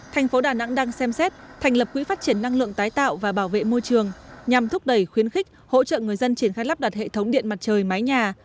thành phố đà nẵng đang xem xét thành lập quỹ phát triển năng lượng tái tạo và bảo vệ môi trường nhằm thúc đẩy khuyến khích hỗ trợ người dân triển khai lắp đặt hệ thống điện mặt trời mái nhà